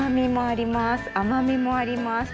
あまみもあります。